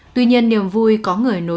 tuy nhiên niềm vui có người nối dọn